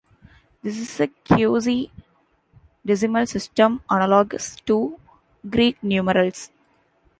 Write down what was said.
This is a quasi-decimal system analogous to Greek numerals.